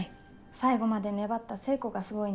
最後まで粘った聖子がすごいんだよ。